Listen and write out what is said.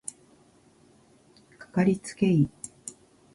かかりつけ医